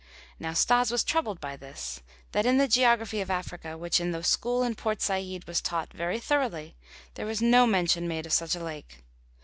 Now Stas was troubled by this: that in the geography of Africa, which in the school in Port Said was taught very thoroughly, there was no mention made of such a lake.